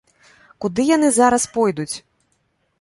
Куды яны зараз пойдуць?